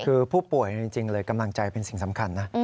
คือผู้ป่วยจริงเลยกำลังใจเป็นสิ่งสำคัญนะ